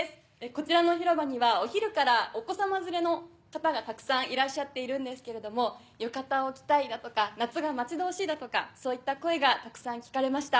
こちらの広場にはお昼からお子さま連れの方がたくさんいらっしゃっているんですけれども浴衣を着たいだとか夏が待ち遠しいだとかそういった声がたくさん聞かれました。